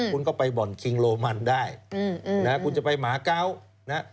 คุณก็ไปบ่อนคิงโรมันได้คุณจะไปหมาเกาะนะฮะ